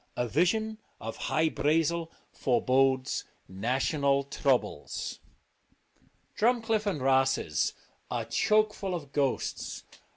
A vision of Hy Brazel forebodes national troubles. Drumcliff and Rosses are chokeful of ghosts.